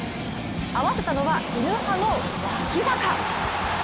合わせたのはイヌ派の脇坂。